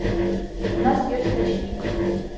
У нас ёсць пячнік.